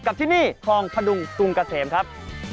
ที่นี่คลองพดุงกรุงเกษมครับ